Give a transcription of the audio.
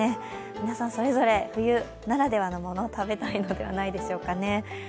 皆さん、それぞれ冬ならではのもの食べたいのではないでしょうか。